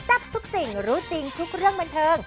ทับทุกสิ่งรู้จริงทุกเรื่องบันเทิง